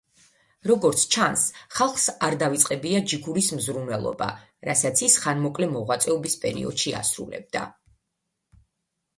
როგორც ჩანს, ხალხს არ დავიწყებია ჯიქურის მზრუნველობა, რასაც ის ხანმოკლე მოღვაწეობის პერიოდში ასრულებდა.